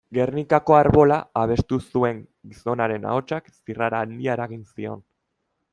Gernikako Arbola abestu zuen gizonaren ahotsak zirrara handia eragin zion.